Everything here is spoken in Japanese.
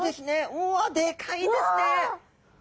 うわでかいですね。